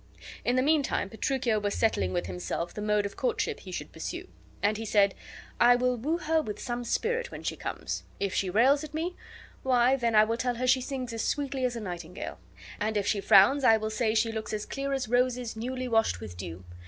In the mean time Petruchio was settling with himself the mode of courtship be should pursue; and he said: "I will woo her with some spirit when she comes. If she rails at me, why, then I will tell her she sings as sweetly as a nightingale; and if she frowns, I will say she looks as clear as roses newly washed with dew.